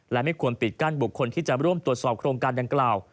และไม่ควรปิดกั้นบุคคลที่จะร่วมตรวจสอบโครงการดังกล่าว